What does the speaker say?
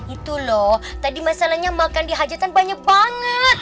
itu loh tadi masalahnya makan dihajatan banyak banget